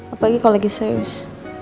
apalagi kalau lagi serius